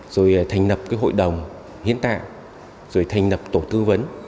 rồi thành nập hội đồng hiến tạng rồi thành nập tổ tư vấn